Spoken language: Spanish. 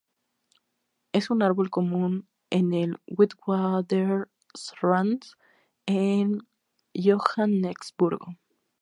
Es un árbol común en el Witwatersrand en Johannesburgo.